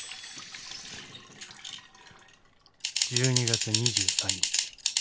１２月２３日。